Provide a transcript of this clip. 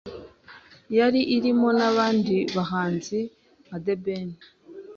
yari irimo n’abandi bahanzi nka The Ben